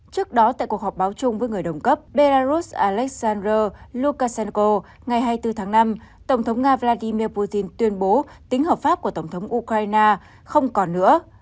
trước đó tại cuộc họp báo chung với người đồng cấp belarus alexander lukashenko ngày hai mươi bốn tháng năm tổng thống nga vladimir putin tuyên bố tính hợp pháp của tổng thống ukraine không còn nữa